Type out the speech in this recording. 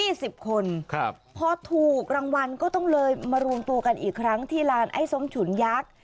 สิบคนครับพอถูกรางวัลก็ต้องเลยมารวมตัวกันอีกครั้งที่ลานไอ้ส้มฉุนยักษ์